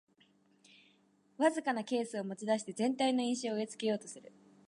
わずかなケースを持ちだして全体の印象を植え付けようとする